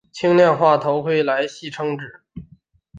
轻量化头盔来戏称之。